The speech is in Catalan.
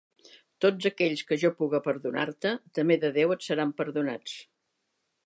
Tots aquells que jo puga perdonar-te, també de Déu et seran perdonats.